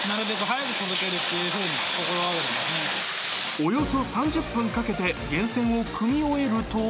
［およそ３０分かけて源泉をくみ終えると］